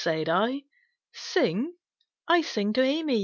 said I; "Sing? I sing to Amy!"